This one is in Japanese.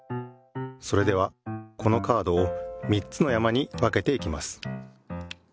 それではこのカードを３つの山に分けていきます。